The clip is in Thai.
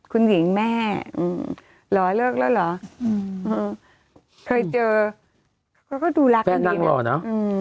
คุณหญิงแม่หล่อเลิกแล้วเหรอเคยเจอเค้าก็ดูรักดีแปลกนางหล่อนะ